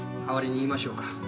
代わりに言いましょうか？